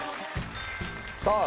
さあ